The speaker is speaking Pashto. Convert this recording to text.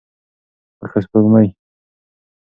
لکه سپوږمۍ.